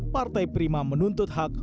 partai prima menuntutkan